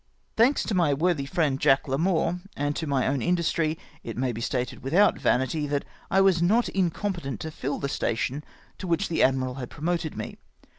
Thanks to my worthy friend Jack Larmour, and to my own industry, it may be stated, without vanity, that I was not incompetent to fill the station to Avhicli the admiral had promoted me.